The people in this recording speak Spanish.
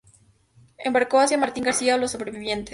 Embarcó hacia Martín García a los sobrevivientes.